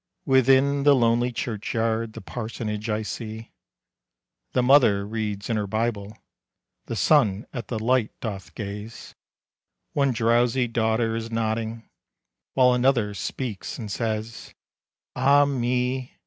Within the lonely churchyard The parsonage I see. The mother reads in her Bible, The son at the light doth gaze; One drowsy daughter is nodding, While another speaks and says: "Ah me!